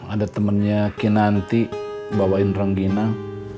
ada temennya kinaanti bawain rangginang